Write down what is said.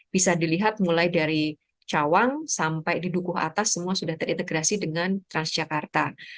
bisa dilihat mulai dari cawang sampai di dukuh atas semua sudah terintegrasi dengan transjakarta